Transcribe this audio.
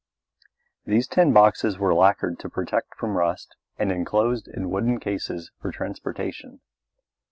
These tin boxes were lacquered to protect from rust and enclosed in wooden cases for transportation.